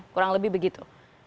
kurang lebih begitu